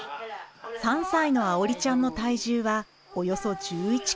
３歳の愛織ちゃんの体重はおよそ１１キロ。